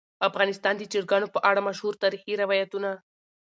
افغانستان د چرګانو په اړه مشهور تاریخی روایتونه.